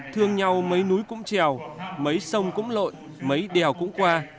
thương nhau mấy núi cũng trèo mấy sông cũng lội mấy đèo cũng qua